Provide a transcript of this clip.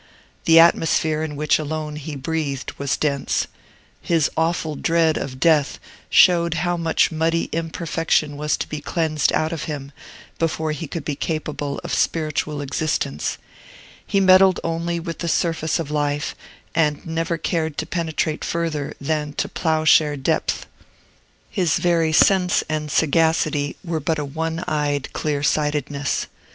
The atmosphere in which alone he breathed was dense; his awful dread of death showed how much muddy imperfection was to be cleansed out of him, before he could be capable of spiritual existence; he meddled only with the surface of life, and never cared to penetrate further than to ploughshare depth; his very sense and sagacity were but a one eyed clear sightedness.